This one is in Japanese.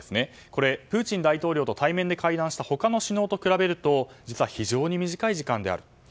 これ、プーチン大統領と対面で会談した他の首脳と比べると非常に短い時間である。